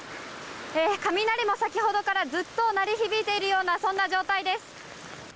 雷も先ほどからずっと鳴り響いているようなそんな状態です。